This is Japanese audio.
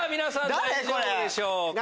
大丈夫でしょうか？